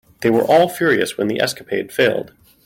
They were all furious when the escapade failed.